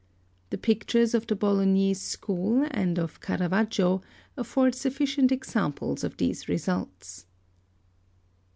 The pictures of the Bolognese school, and of Caravaggio, afford sufficient examples of these results.